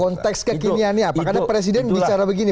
konteks kekiniannya apa karena presiden bicara begini